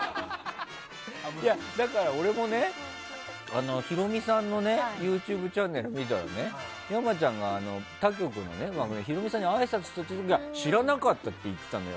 だから俺も、ヒロミさんのＹｏｕＴｕｂｅチャンネルを見たらね、山ちゃんが他局の番組でヒロミさんにあいさつした時は知らなかったって言ってたのよ。